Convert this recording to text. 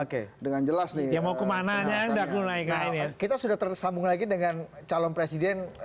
oke dengan jelas nih mau ke mananya enggak mulai kita sudah tersambung lagi dengan calon presiden